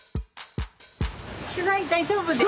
取材大丈夫です。